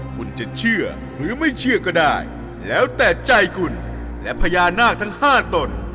คุณจะเชื่อหรือไม่เชื่อก็ได้แล้วแต่ใจคุณและพญานาคทั้ง๕ตน